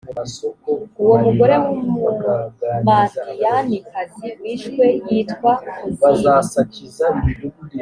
uwo mugore w’umumadiyanikazi wishwe yitwaga kozibi.